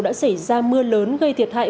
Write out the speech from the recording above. đã xảy ra mưa lớn gây thiệt hại